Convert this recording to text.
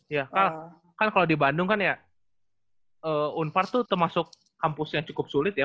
iya kan kalau di bandung kan ya u empat belas tuh termasuk kampusnya cukup sulit ya